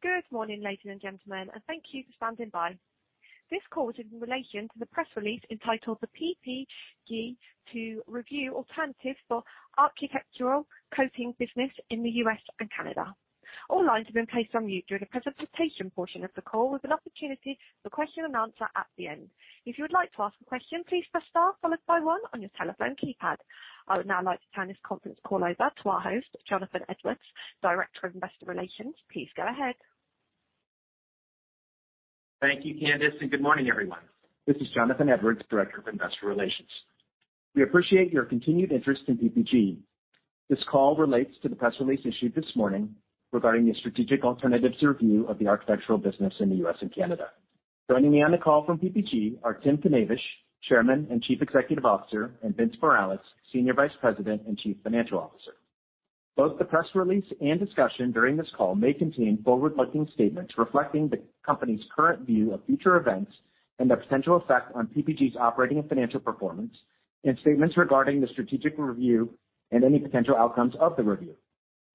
Good morning, ladies and gentlemen, and thank you for standing by. This call is in relation to the press release entitled " PPG to Review Alternatives for Architectural Coatings Business in the U.S. and Canada." All lines have been placed on mute during the presentation portion of the call, with an opportunity for question and answer at the end. If you would like to ask a question, please press star followed by 1 on your telephone keypad. I would now like to turn this conference call over to our host, Jonathan Edwards, Director of Investor Relations. Please go ahead. Thank you, Candace, and good morning, everyone. This is Jonathan Edwards, Director of Investor Relations. We appreciate your continued interest in PPG. This call relates to the press release issued this morning regarding the strategic alternatives to review of the architectural business in the U.S. and Canada. Joining me on the call from PPG are Timothy Knavish, Chairman and Chief Executive Officer, and Vince Morales, Senior Vice President and Chief Financial Officer. Both the press release and discussion during this call may contain forward-looking statements reflecting the company's current view of future events and the potential effect on PPG's operating and financial performance, and statements regarding the strategic review and any potential outcomes of the review.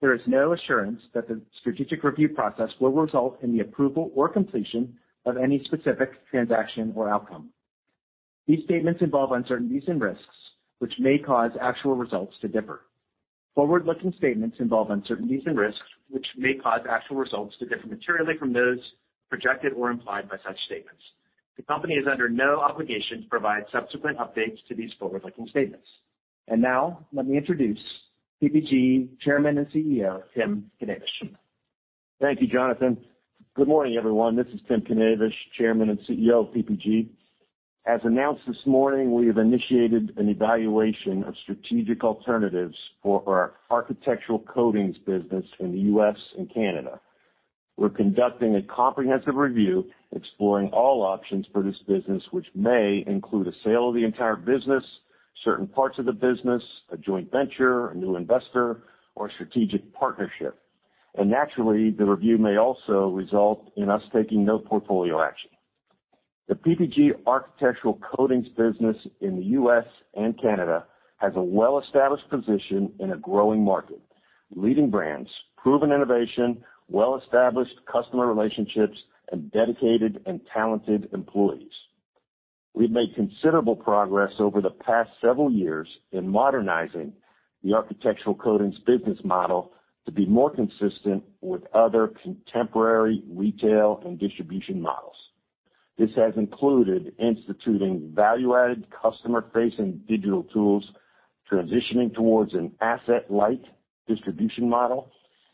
There is no assurance that the strategic review process will result in the approval or completion of any specific transaction or outcome. These statements involve uncertainties and risks, which may cause actual results to differ. Forward-looking statements involve uncertainties and risks, which may cause actual results to differ materially from those projected or implied by such statements. The company is under no obligation to provide subsequent updates to these forward-looking statements. Now, let me introduce PPG Chairman and CEO, Timothy Knavish. Thank you, Jonathan. Good morning, everyone. This is Timothy Knavish, Chairman and CEO of PPG. As announced this morning, we have initiated an evaluation of strategic alternatives for our architectural coatings business in the U.S. and Canada. We're conducting a comprehensive review exploring all options for this business, which may include a sale of the entire business, certain parts of the business, a joint venture, a new investor, or a strategic partnership. Naturally, the review may also result in us taking no portfolio action. The PPG architectural coatings business in the U.S. and Canada has a well-established position in a growing market, leading brands, proven innovation, well-established customer relationships, and dedicated and talented employees. We've made considerable progress over the past several years in modernizing the architectural coatings business model to be more consistent with other contemporary retail and distribution models. This has included instituting value-added customer-facing digital tools, transitioning towards an asset-light distribution model,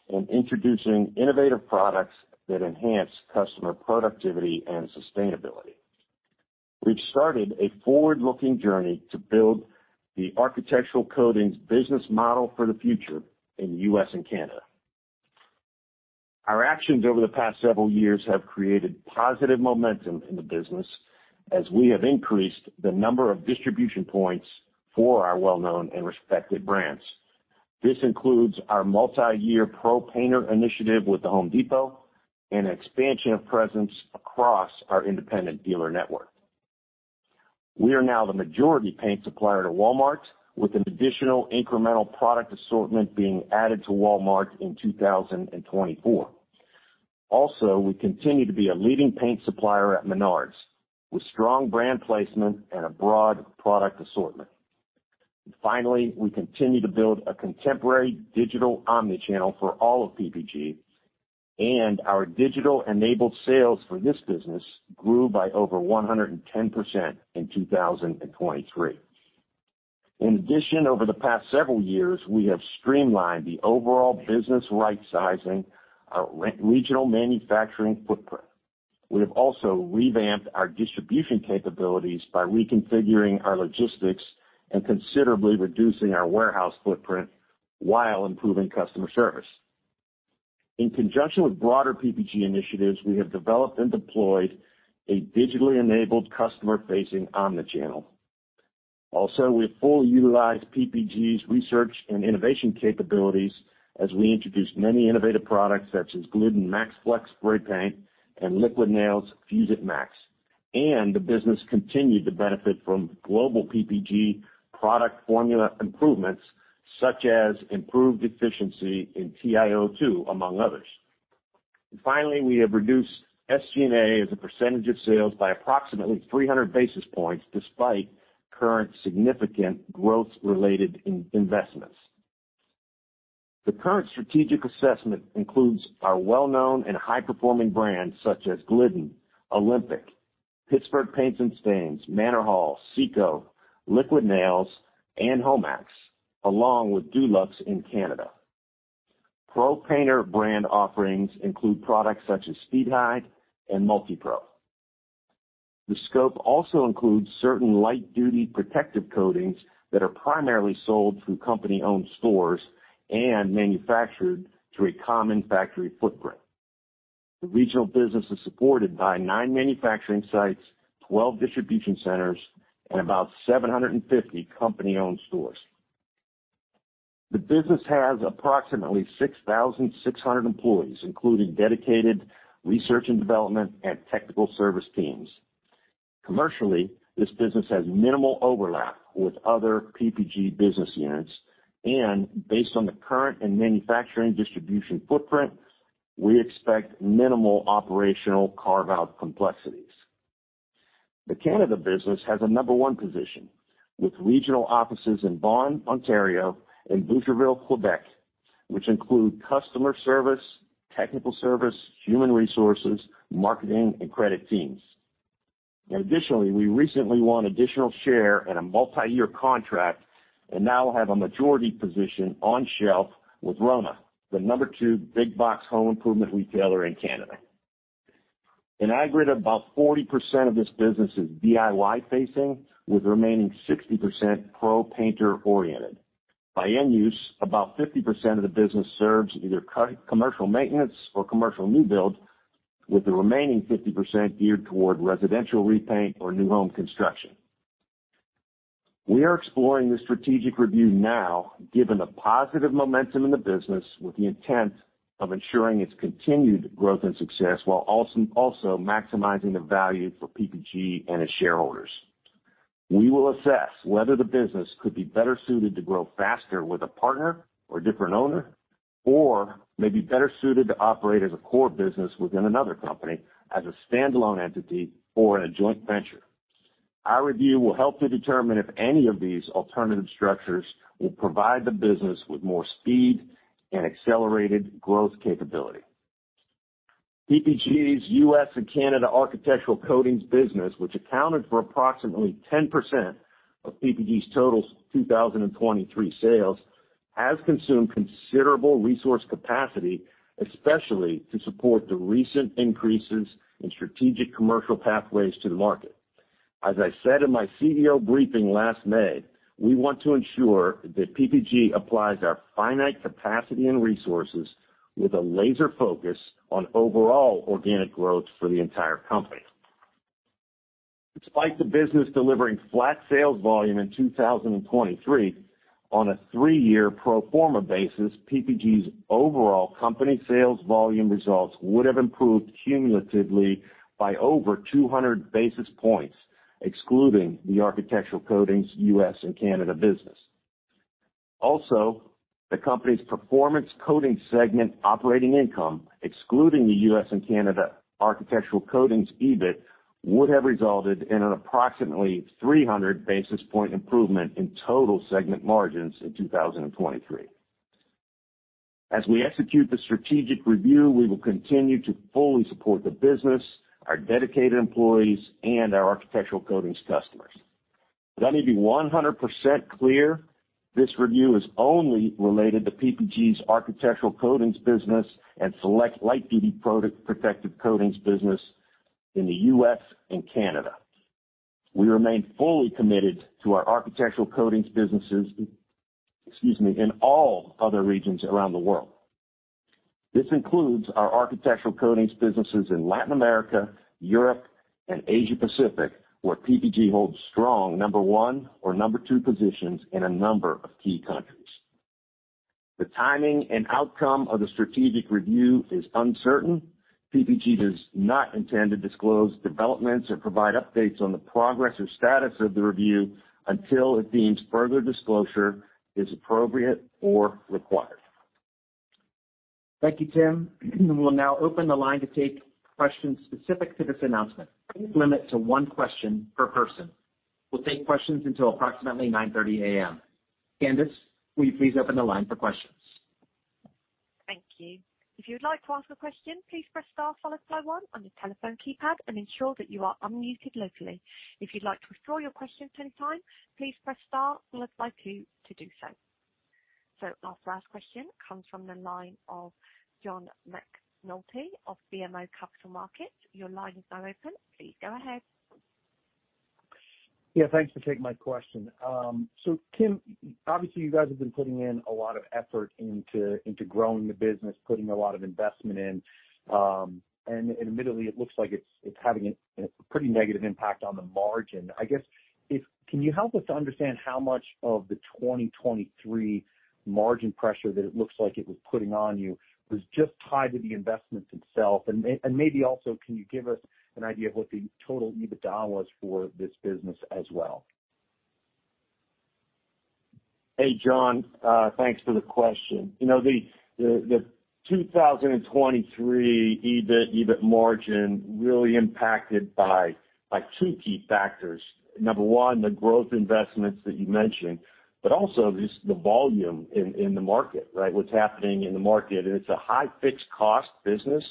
and introducing innovative products that enhance customer productivity and sustainability. We've started a forward-looking journey to build the architectural coatings business model for the future in the U.S. and Canada. Our actions over the past several years have created positive momentum in the business as we have increased the number of distribution points for our well-known and respected brands. This includes our multi-year Pro-painter initiative with The Home Depot and an expansion of presence across our independent dealer network. We are now the majority paint supplier to Walmart, with an additional incremental product assortment being added to Walmart in 2024. Also, we continue to be a leading paint supplier at Menards with strong brand placement and a broad product assortment. Finally, we continue to build a contemporary digital omnichannel for all of PPG, and our digital-enabled sales for this business grew by over 110% in 2023. In addition, over the past several years, we have streamlined the overall business right-sizing, our regional manufacturing footprint. We have also revamped our distribution capabilities by reconfiguring our logistics and considerably reducing our warehouse footprint while improving customer service. In conjunction with broader PPG initiatives, we have developed and deployed a digitally-enabled customer-facing omnichannel. Also, we have fully utilized PPG's research and innovation capabilities as we introduced many innovative products such as Glidden Max Flex spray paint and Liquid Nails FuzeIt Max, and the business continued to benefit from global PPG product formula improvements such as improved efficiency in TiO2, among others. Finally, we have reduced SG&A as a percentage of sales by approximately 300 basis points despite current significant growth-related investments. The current strategic assessment includes our well-known and high-performing brands such as Glidden, Olympic, Pittsburgh Paints & Stains, Manor Hall, SICO, Liquid Nails, and Homax, along with Dulux in Canada. Pro-painter brand offerings include products such as SpeedHide and Multi-Pro. The scope also includes certain light-duty protective coatings that are primarily sold through company-owned stores and manufactured to a common factory footprint. The regional business is supported by 9 manufacturing sites, 12 distribution centers, and about 750 company-owned stores. The business has approximately 6,600 employees, including dedicated research and development and technical service teams. Commercially, this business has minimal overlap with other PPG business units, and based on the current and manufacturing distribution footprint, we expect minimal operational carve-out complexities. The Canada business has a number one position with regional offices in Vaughan, Ontario, and Boucherville, Quebec, which include customer service, technical service, human resources, marketing, and credit teams. Additionally, we recently won additional share in a multi-year contract and now have a majority position on shelf with RONA, the number two big-box home improvement retailer in Canada. In aggregate, about 40% of this business is DIY-facing, with the remaining 60% Pro-painter oriented. By end use, about 50% of the business serves either commercial maintenance or commercial new build, with the remaining 50% geared toward residential repaint or new home construction. We are exploring this strategic review now given the positive momentum in the business with the intent of ensuring its continued growth and success while also maximizing the value for PPG and its shareholders. We will assess whether the business could be better suited to grow faster with a partner or different owner, or may be better suited to operate as a core business within another company as a standalone entity or in a joint venture. Our review will help to determine if any of these alternative structures will provide the business with more speed and accelerated growth capability. PPG's U.S. and Canada architectural coatings business, which accounted for approximately 10% of PPG's total 2023 sales, has consumed considerable resource capacity, especially to support the recent increases in strategic commercial pathways to the market. As I said in my CEO briefing last May, we want to ensure that PPG applies our finite capacity and resources with a laser focus on overall organic growth for the entire company. Despite the business delivering flat sales volume in 2023, on a three-year pro forma basis, PPG's overall company sales volume results would have improved cumulatively by over 200 basis points, excluding the architectural coatings U.S. and Canada business. Also, the company's Performance Coatings segment operating income, excluding the US and Canada Architectural Coatings EBIT, would have resulted in an approximately 300 basis point improvement in total segment margins in 2023. As we execute the strategic review, we will continue to fully support the business, our dedicated employees, and our Architectural Coatings customers. Let me be 100% clear: this review is only related to PPG's Architectural Coatings business and select light-duty Protective Coatings business in the US and Canada. We remain fully committed to our Architectural Coatings businesses, excuse me, in all other regions around the world. This includes our Architectural Coatings businesses in Latin America, Europe, and Asia-Pacific, where PPG holds strong number one or number two positions in a number of key countries. The timing and outcome of the strategic review is uncertain. PPG does not intend to disclose developments or provide updates on the progress or status of the review until it deems further disclosure is appropriate or required. Thank you, Tim. We'll now open the line to take questions specific to this announcement. Please limit to one question per person. We'll take questions until approximately 9:30 A.M. Candace, will you please open the line for questions? Thank you. If you would like to ask a question, please press star followed by 1 on your telephone keypad and ensure that you are unmuted locally. If you'd like to withdraw your question at any time, please press star followed by 2 to do so. Our first question comes from the line of John McNulty of BMO Capital Markets. Your line is now open. Please go ahead. Yeah, thanks for taking my question. So Tim, obviously, you guys have been putting in a lot of effort into growing the business, putting a lot of investment in, and admittedly, it looks like it's having a pretty negative impact on the margin. I guess, can you help us to understand how much of the 2023 margin pressure that it looks like it was putting on you was just tied to the investment itself? And maybe also, can you give us an idea of what the total EBITDA was for this business as well? Hey, John. Thanks for the question. The 2023 EBIT margin really impacted by two key factors. Number one, the growth investments that you mentioned, but also just the volume in the market, right, what's happening in the market. And it's a high-fixed cost business.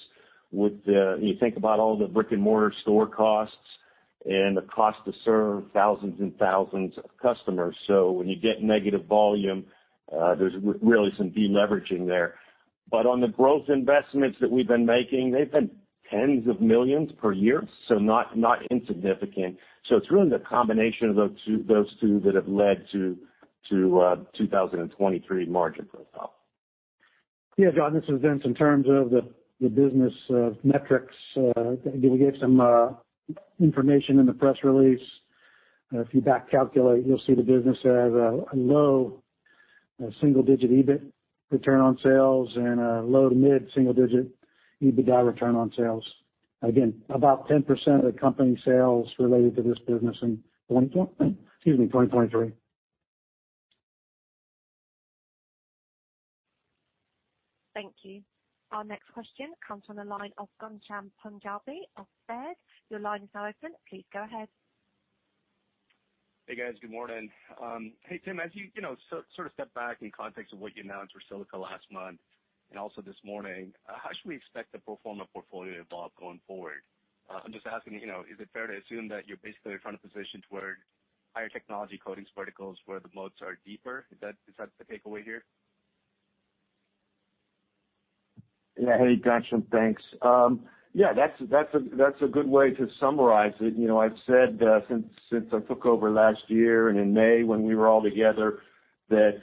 You think about all the brick-and-mortar store costs and the cost to serve thousands and thousands of customers. So when you get negative volume, there's really some deleveraging there. But on the growth investments that we've been making, they've been $tens of millions per year, so not insignificant. So it's really the combination of those two that have led to 2023 margin profile. Yeah, John, this was then in terms of the business metrics. We gave some information in the press release. If you backcalculate, you'll see the business has a low single-digit EBIT return on sales and a low to mid single-digit EBITDA return on sales. Again, about 10% of the company sales related to this business in 2023. Thank you. Our next question comes from the line of Ghansham Panjabi of Baird. Your line is now open. Please go ahead. Hey, guys. Good morning. Hey, Tim, as you sort of stepped back in context of what you announced for Silica last month and also this morning, how should we expect the pro forma portfolio to evolve going forward? I'm just asking, is it fair to assume that you're basically in front of a position toward higher technology coatings verticals where the moats are deeper? Is that the takeaway here? Yeah. Hey, Ghansham. Thanks. Yeah, that's a good way to summarize it. I've said since I took over last year and in May when we were all together that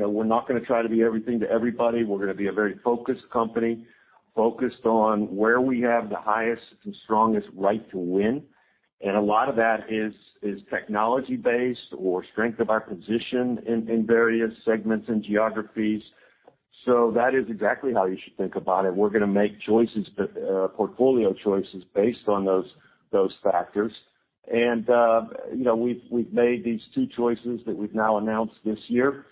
we're not going to try to be everything to everybody. We're going to be a very focused company focused on where we have the highest and strongest right to win. And a lot of that is technology-based or strength of our position in various segments and geographies. So that is exactly how you should think about it. We're going to make portfolio choices based on those factors. And we've made these two choices that we've now announced this year.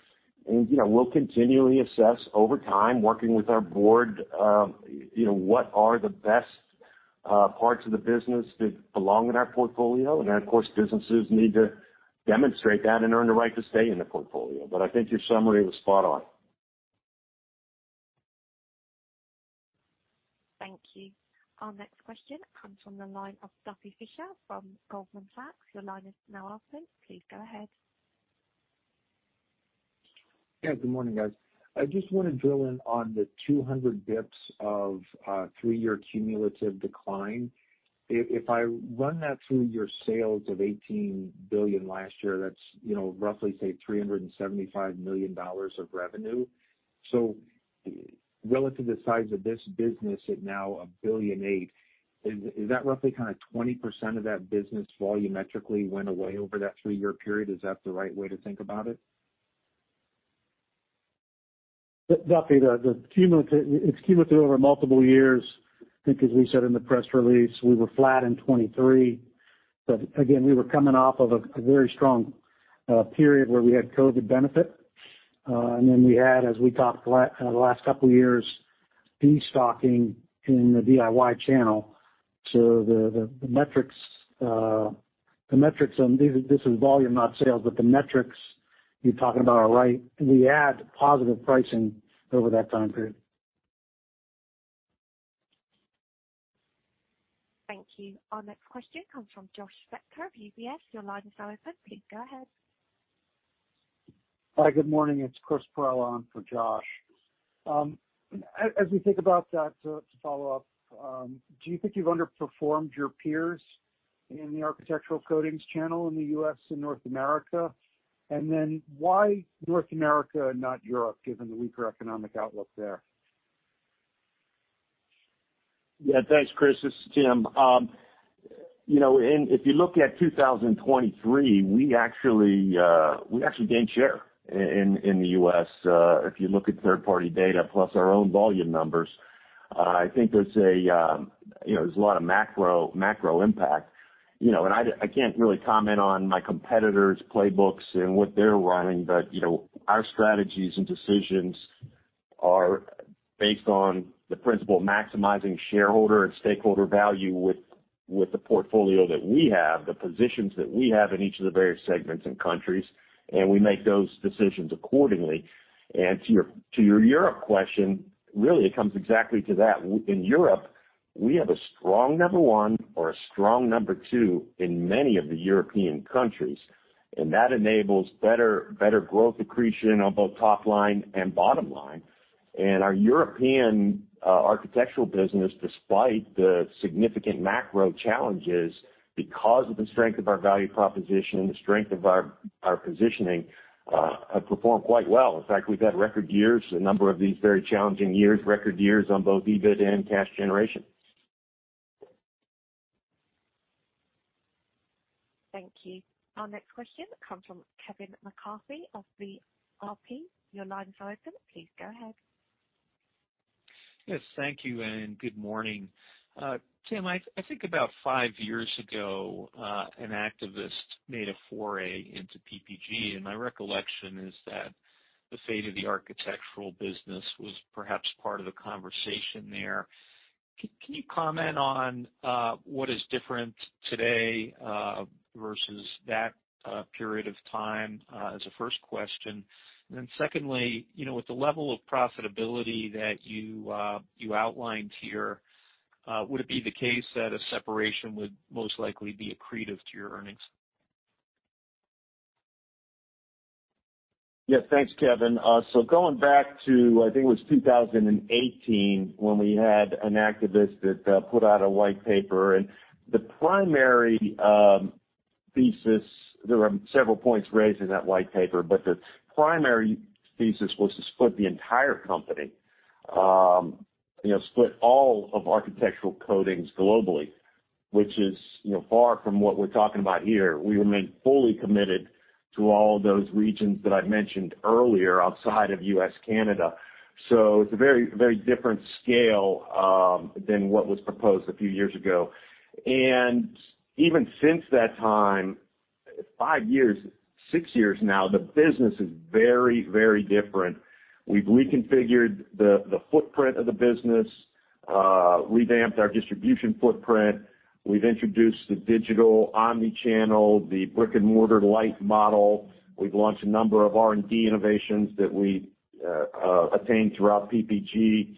And we'll continually assess over time, working with our board, what are the best parts of the business that belong in our portfolio? And then, of course, businesses need to demonstrate that and earn the right to stay in the portfolio. But I think your summary was spot on. Thank you. Our next question comes from the line of Duffy Fisher from Goldman Sachs. Your line is now open. Please go ahead. Yeah, good morning, guys. I just want to drill in on the 200 bps of three-year cumulative decline. If I run that through your sales of $18 billion last year, that's roughly, say, $375 million of revenue. So relative to the size of this business, it's now $1.8 billion. Is that roughly kind of 20% of that business volumetrically went away over that three-year period? Is that the right way to think about it? Duffy, it's cumulative over multiple years. I think, as we said in the press release, we were flat in 2023. But again, we were coming off of a very strong period where we had COVID benefit. And then we had, as we talked the last couple of years, de-stocking in the DIY channel. So the metrics on this is volume, not sales, but the metrics you're talking about are right. We had positive pricing over that time period. Thank you. Our next question comes from Josh Spector of UBS. Your line is now open. Please go ahead. Hi, good morning. It's Chris Perrella on for Josh. As we think about that to follow up, do you think you've underperformed your peers in the architectural coatings channel in the U.S. and North America? Then why North America and not Europe, given the weaker economic outlook there? Yeah, thanks, Chris. This is Tim. If you look at 2023, we actually gained share in the U.S. If you look at third-party data plus our own volume numbers, I think there's a lot of macro impact. And I can't really comment on my competitors' playbooks and what they're running, but our strategies and decisions are based on the principle of maximizing shareholder and stakeholder value with the portfolio that we have, the positions that we have in each of the various segments and countries, and we make those decisions accordingly. And to your Europe question, really, it comes exactly to that. In Europe, we have a strong number one or a strong number two in many of the European countries. And that enables better growth accretion on both top line and bottom line. Our European architectural business, despite the significant macro challenges because of the strength of our value proposition, the strength of our positioning, has performed quite well. In fact, we've had record years, a number of these very challenging years, record years on both EBIT and cash generation. Thank you. Our next question comes from Kevin McCarthy of the VRP. Your line is now open. Please go ahead. Yes, thank you and good morning. Tim, I think about 5 years ago, an activist made a foray into PPG, and my recollection is that the fate of the architectural business was perhaps part of the conversation there. Can you comment on what is different today versus that period of time as a first question? And then secondly, with the level of profitability that you outlined here, would it be the case that a separation would most likely be accretive to your earnings? Yeah, thanks, Kevin. So going back to, I think it was 2018 when we had an activist that put out a white paper. The primary thesis there were several points raised in that white paper, but the primary thesis was to split the entire company, split all of architectural coatings globally, which is far from what we're talking about here. We remain fully committed to all those regions that I mentioned earlier outside of U.S., Canada. So it's a very different scale than what was proposed a few years ago. Even since that time, five years, six years now, the business is very, very different. We've reconfigured the footprint of the business, revamped our distribution footprint. We've introduced the digital omnichannel, the brick-and-mortar light model. We've launched a number of R&D innovations that we attained throughout PPG.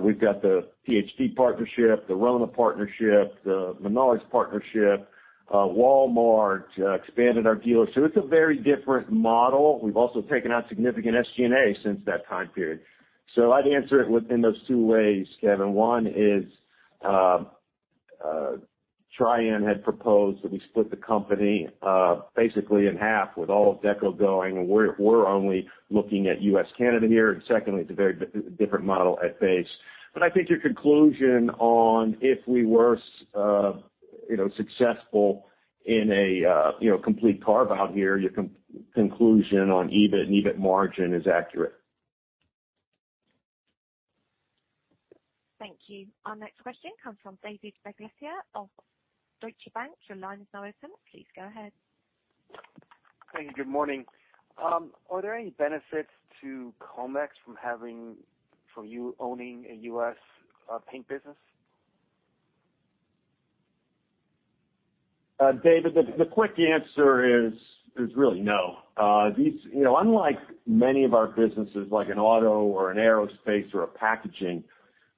We've got the HD partnership, the RONA partnership, the Menards partnership. Walmart expanded our dealers. So it's a very different model. We've also taken out significant SG&A since that time period. So I'd answer it in those two ways, Kevin. One is Trian had proposed that we split the company basically in half with all of Deco going, and we're only looking at U.S., Canada here. And secondly, it's a very different model at base. But I think your conclusion on if we were successful in a complete carve-out here, your conclusion on EBIT and EBIT margin is accurate. Thank you. Our next question comes from David Begleiter of Deutsche Bank. Your line is now open. Please go ahead. Hey, good morning. Are there any benefits to COMEX from you owning a U.S. paint business? David, the quick answer is really no. Unlike many of our businesses, like an auto or an aerospace or a packaging,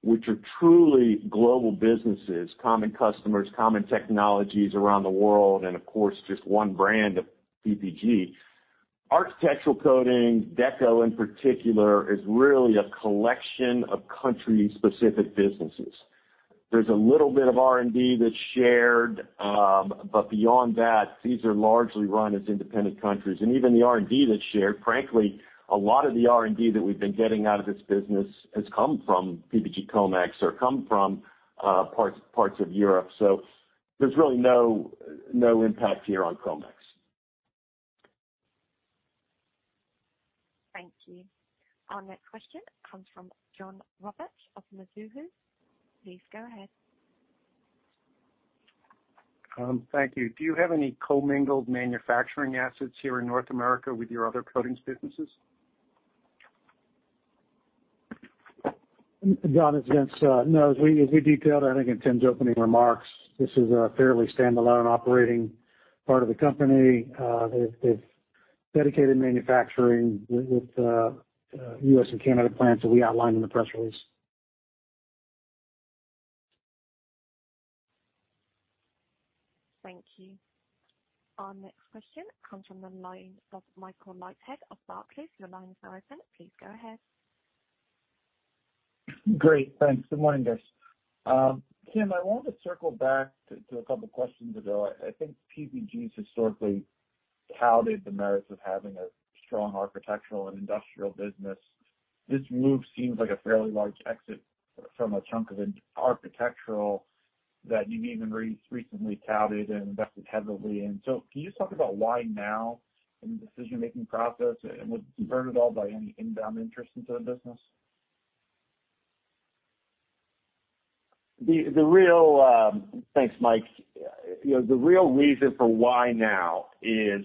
which are truly global businesses, common customers, common technologies around the world, and of course, just one brand of PPG, architectural coating, Deco in particular, is really a collection of country-specific businesses. There's a little bit of R&D that's shared, but beyond that, these are largely run as independent countries. Even the R&D that's shared, frankly, a lot of the R&D that we've been getting out of this business has come from PPG COMEX or come from parts of Europe. There's really no impact here on COMEX. Thank you. Our next question comes from John Roberts of Mizuho. Please go ahead. Thank you. Do you have any commingled manufacturing assets here in North America with your other coatings businesses? John, it's Vince. No, as we detailed, I think in Tim's opening remarks, this is a fairly standalone operating part of the company. They've dedicated manufacturing with U.S. and Canada plants that we outlined in the press release. Thank you. Our next question comes from the line of Michael Leithead of Barclays. Your line is now open. Please go ahead. Great. Thanks. Good morning, guys. Tim, I wanted to circle back to a couple of questions ago. I think PPG's historically touted the merits of having a strong architectural and industrial business. This move seems like a fairly large exit from a chunk of architectural that you've even recently touted and invested heavily in. So can you just talk about why now in the decision-making process? And was it spurred at all by any inbound interest into the business? Thanks, Mike. The real reason for why now is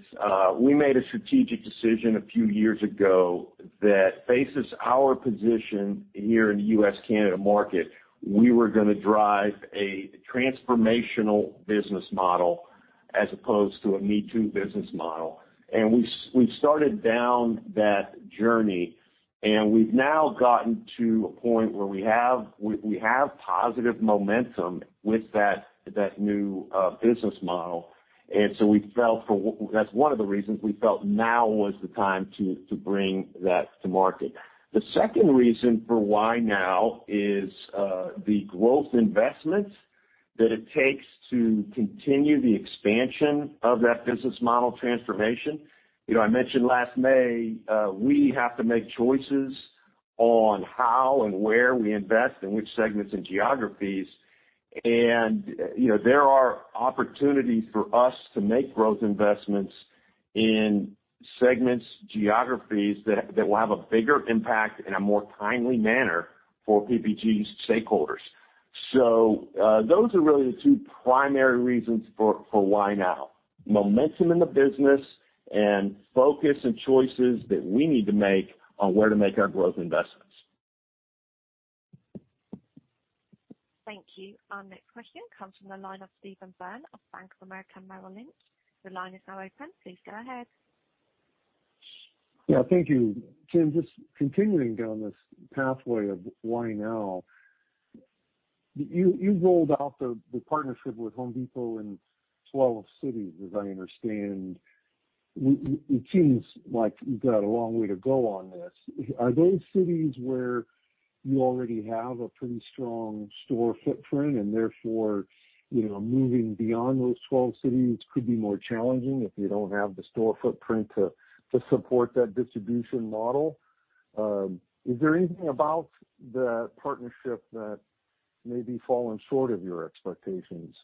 we made a strategic decision a few years ago that faces our position here in the U.S., Canada market. We were going to drive a transformational business model as opposed to a me-too business model. We've started down that journey, and we've now gotten to a point where we have positive momentum with that new business model. So we felt that's one of the reasons we felt now was the time to bring that to market. The second reason for why now is the growth investments that it takes to continue the expansion of that business model transformation. I mentioned last May, we have to make choices on how and where we invest in which segments and geographies. There are opportunities for us to make growth investments in segments, geographies that will have a bigger impact in a more timely manner for PPG's stakeholders. So those are really the two primary reasons for why now: momentum in the business and focus and choices that we need to make on where to make our growth investments. Thank you. Our next question comes from the line of Stephen Byrne of Bank of America Merrill Lynch. Your line is now open. Please go ahead. Yeah, thank you. Tim, just continuing down this pathway of why now, you rolled out the partnership with Home Depot in 12 cities, as I understand. It seems like you've got a long way to go on this. Are those cities where you already have a pretty strong store footprint and therefore moving beyond those 12 cities could be more challenging if you don't have the store footprint to support that distribution model? Is there anything about the partnership that may be falling short of your expectations?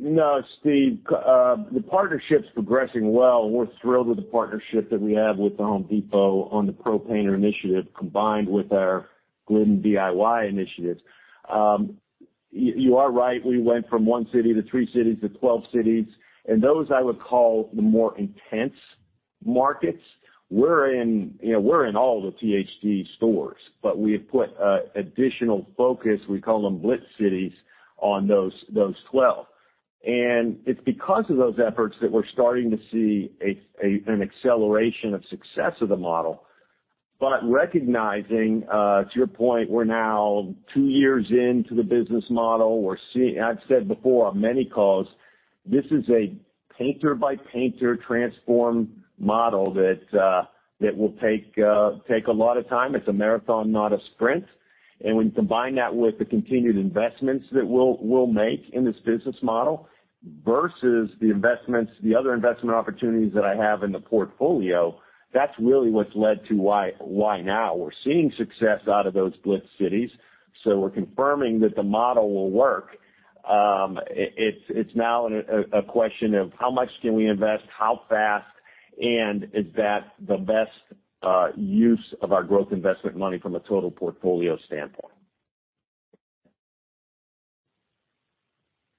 No, Steve. The partnership's progressing well. We're thrilled with the partnership that we have with The Home Depot on the Pro-painter initiative combined with our Glidden DIY initiatives. You are right. We went from 1 city to 3 cities to 12 cities. And those, I would call, the more intense markets. We're in all the Home Depot stores, but we have put additional focus - we call them blitz cities - on those 12. And it's because of those efforts that we're starting to see an acceleration of success of the model. But recognizing, to your point, we're now 2 years into the business model. I've said before on many calls, this is a painter-by-painter transform model that will take a lot of time. It's a marathon, not a sprint. When you combine that with the continued investments that we'll make in this business model versus the other investment opportunities that I have in the portfolio, that's really what's led to why now. We're seeing success out of those blitz cities. We're confirming that the model will work. It's now a question of how much can we invest, how fast, and is that the best use of our growth investment money from a total portfolio standpoint?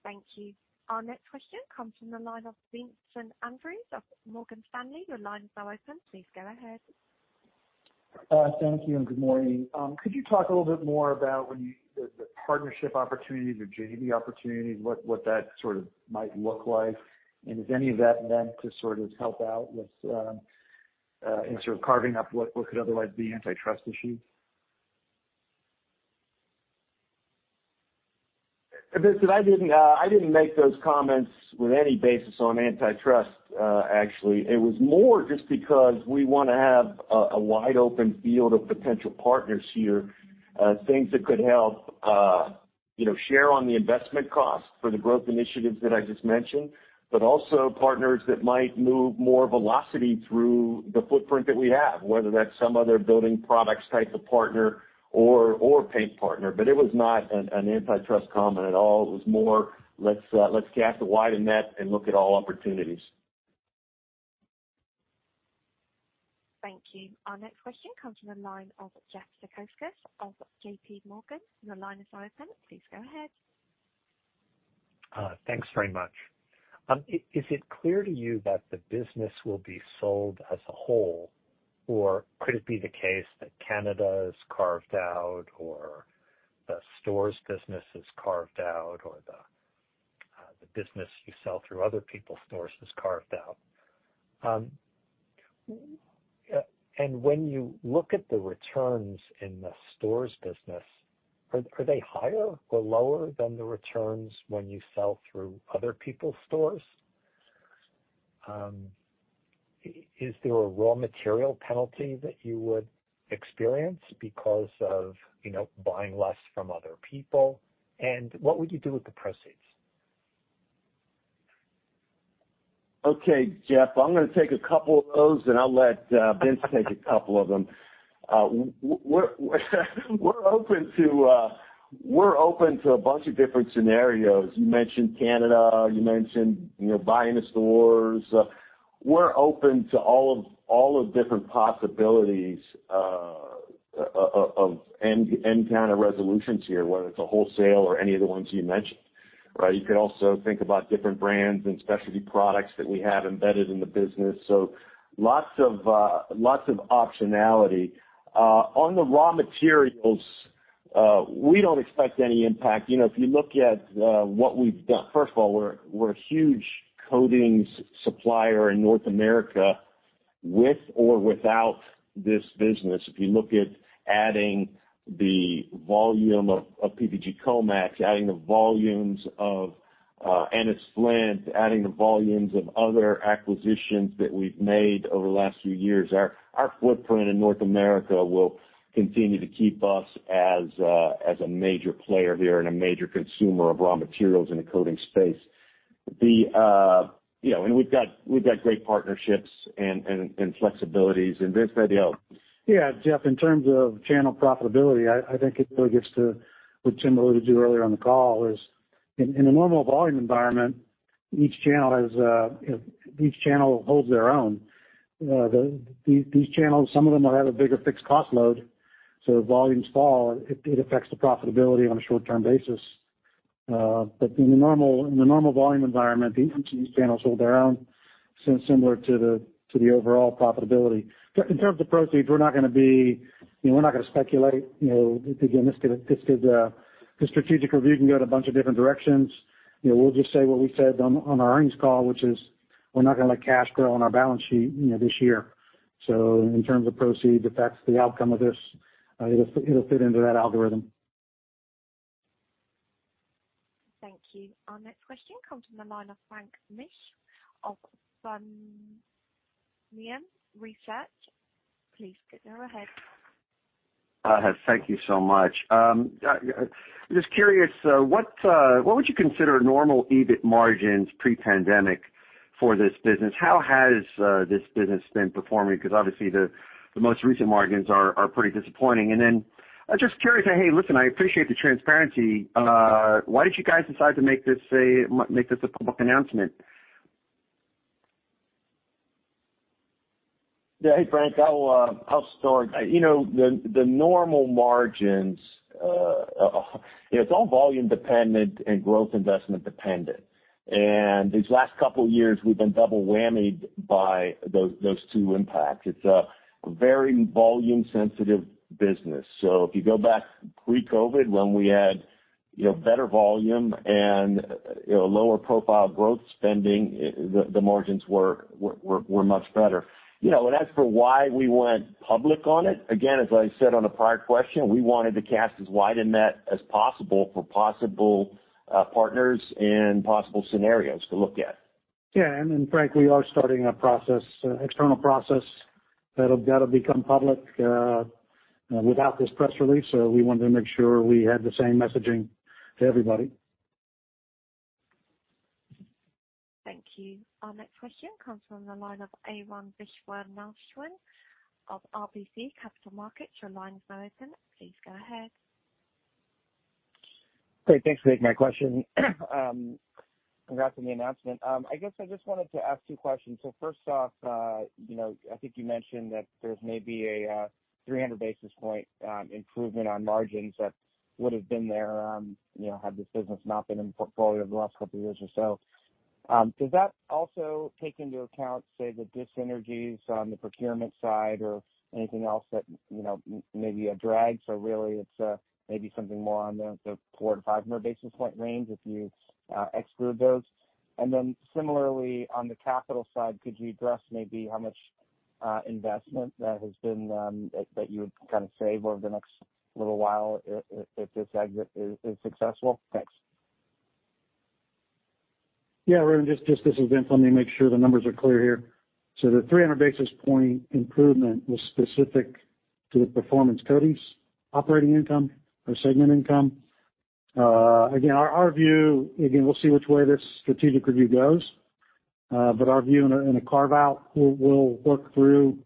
Thank you. Our next question comes from the line of Vincent Andrews of Morgan Stanley. Your line is now open. Please go ahead. Thank you and good morning. Could you talk a little bit more about the partnership opportunities or JV opportunities, what that sort of might look like? And is any of that meant to sort of help out with sort of carving up what could otherwise be antitrust issues? Vince, I didn't make those comments with any basis on antitrust, actually. It was more just because we want to have a wide-open field of potential partners here, things that could help share on the investment cost for the growth initiatives that I just mentioned, but also partners that might move more velocity through the footprint that we have, whether that's some other building products type of partner or paint partner. But it was not an antitrust comment at all. It was more, "Let's cast a wide net and look at all opportunities. Thank you. Our next question comes from the line of Jeff Zekauskas of JP Morgan. Your line is now open. Please go ahead. Thanks very much. Is it clear to you that the business will be sold as a whole, or could it be the case that Canada's carved out or the stores' business is carved out or the business you sell through other people's stores is carved out? And when you look at the returns in the stores' business, are they higher or lower than the returns when you sell through other people's stores? Is there a raw material penalty that you would experience because of buying less from other people? And what would you do with the proceeds? Okay, Jeff, I'm going to take a couple of those, and I'll let Vince take a couple of them. We're open to a bunch of different scenarios. You mentioned Canada. You mentioned buying the stores. We're open to all of different possibilities of end-counter resolutions here, whether it's a wholesale or any of the ones you mentioned, right? You could also think about different brands and specialty products that we have embedded in the business. So lots of optionality. On the raw materials, we don't expect any impact. If you look at what we've done first of all, we're a huge coatings supplier in North America with or without this business. If you look at adding the volume of PPG COMEX, adding the volumes of Ennis-Flint, adding the volumes of other acquisitions that we've made over the last few years, our footprint in North America will continue to keep us as a major player here and a major consumer of raw materials in the coatings space. And we've got great partnerships and flexibilities. And Vince, how do you help? Yeah, Jeff, in terms of channel profitability, I think it really gets to what Tim alluded to earlier on the call: in a normal volume environment, each channel holds their own. Some of them will have a bigger fixed cost load. So if volumes fall, it affects the profitability on a short-term basis. But in a normal volume environment, each channel's hold their own, similar to the overall profitability. In terms of proceeds, we're not going to be we're not going to speculate. Again, this strategic review can go in a bunch of different directions. We'll just say what we said on our earnings call, which is we're not going to let cash grow on our balance sheet this year. So in terms of proceeds, if that's the outcome of this, it'll fit into that algorithm. Thank you. Our next question comes from the line of Frank Mitsch of Stifel. Please go ahead. Hi, Heath. Thank you so much. Just curious, what would you consider normal EBIT margins pre-pandemic for this business? How has this business been performing? Because obviously, the most recent margins are pretty disappointing. And then I'm just curious to say, "Hey, listen, I appreciate the transparency. Why did you guys decide to make this a public announcement? Yeah, hey, Frank, I'll start. The normal margins, it's all volume-dependent and growth investment-dependent. These last couple of years, we've been double-whammed by those two impacts. It's a very volume-sensitive business. If you go back pre-COVID when we had better volume and lower-profile growth spending, the margins were much better. As for why we went public on it, again, as I said on a prior question, we wanted to cast as wide a net as possible for possible partners and possible scenarios to look at. Yeah. And then, Frank, we are starting an external process that'll become public without this press release. So we wanted to make sure we had the same messaging to everybody. Thank you. Our next question comes from the line of Arun Viswanathan of RBC Capital Markets. Your line is now open. Please go ahead. Great. Thanks for taking my question. Congrats on the announcement. I guess I just wanted to ask two questions. So first off, I think you mentioned that there's maybe a 300 basis point improvement on margins that would have been there had this business not been in the portfolio over the last couple of years or so. Does that also take into account, say, the dissynergies on the procurement side or anything else that maybe drags? So really, it's maybe something more on the 4-500 basis point range if you exclude those. And then similarly, on the capital side, could you address maybe how much investment that has been that you would kind of save over the next little while if this exit is successful? Thanks. Yeah, Aaron, this is Vince. Let me make sure the numbers are clear here. So the 300 basis point improvement was specific to the performance coatings operating income or segment income. Again, our view again, we'll see which way this strategic review goes. But our view in a carve-out, we'll work through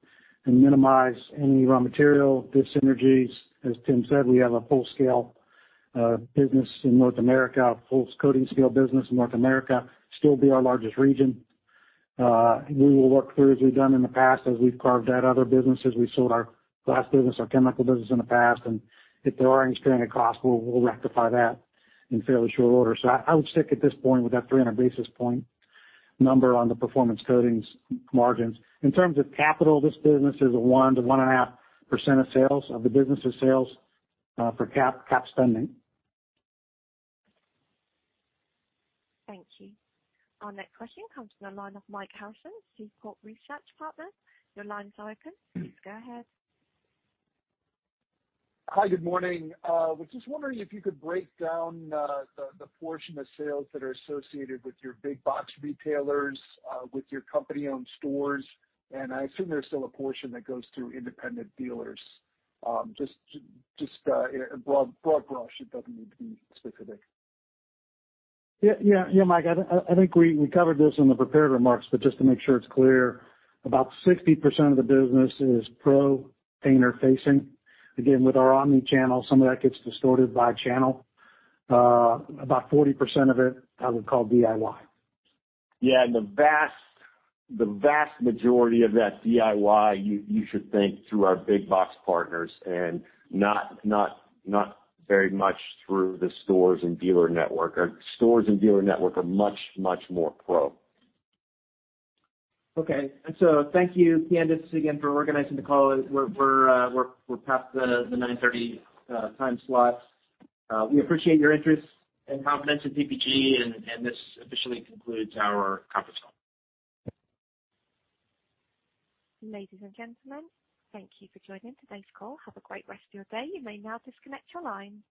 and minimize any raw material dis-synergies. As Tim said, we have a full-scale business in North America, a full coatings-scale business in North America, still be our largest region. We will work through as we've done in the past as we've carved out other businesses. We sold our glass business, our chemical business in the past. And if there are any stranded costs, we'll rectify that in fairly short order. So I would stick at this point with that 300 basis point number on the performance coatings margins. In terms of capital, this business is a 1%-1.5% of sales, of the business's sales for CapEx spending. Thank you. Our next question comes from the line of Mike Harrison, Seaport Research Partners. Your line is now open. Please go ahead. Hi, good morning. We're just wondering if you could break down the portion of sales that are associated with your big-box retailers, with your company-owned stores. And I assume there's still a portion that goes through independent dealers. Just a broad brush. It doesn't need to be specific. Yeah, yeah, yeah, Mike. I think we covered this in the prepared remarks. Just to make sure it's clear, about 60% of the business is Pro-painter facing. Again, with our omnichannel, some of that gets distorted by channel. About 40% of it, I would call DIY. Yeah. The vast majority of that DIY, you should think through our big-box partners and not very much through the stores and dealer network. Our stores and dealer network are much, much more pro. Okay. And so thank you, Candace, again for organizing the call. We're past the 9:30 A.M. time slot. We appreciate your interest and confidence in PPG. And this officially concludes our conference call. Ladies and gentlemen, thank you for joining today's call. Have a great rest of your day. You may now disconnect your line.